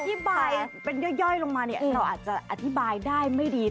อธิบายเป็นย่อยลงมาเนี่ยเราอาจจะอธิบายได้ไม่ดี